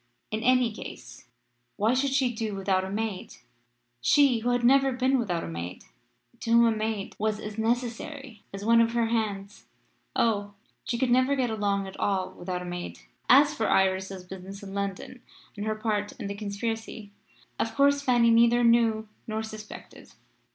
In any case, why should she do without a maid she who had never been without a maid to whom a maid was as necessary as one of her hands? Oh! she could never get along at all without a maid. As for Iris's business in London and her part in the conspiracy, of course Fanny neither knew nor suspected.